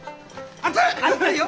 熱いよ。